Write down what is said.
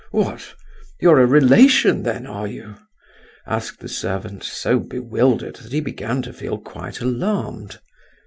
"What—you're a relation then, are you?" asked the servant, so bewildered that he began to feel quite alarmed.